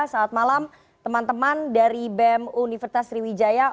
saat malam teman teman dari bem universitas sriwijaya